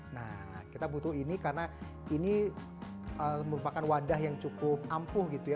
nah kita butuh ini karena ini merupakan wadah yang cukup ampuh gitu ya